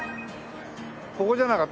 ここじゃなかった？